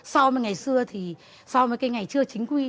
so với ngày xưa thì so với cái ngày chưa chính quy